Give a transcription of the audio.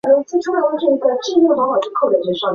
在病床上剧烈扭曲著